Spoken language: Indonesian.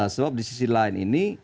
sebab di sisi lain ini